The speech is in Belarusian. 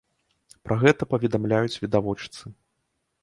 Пра гэта паведамляюць відавочцы.